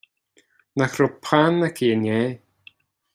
Nach raibh peann aici inné